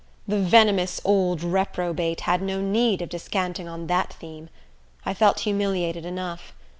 The venomous old reprobate had no need of descanting on that theme. I felt humiliated enough.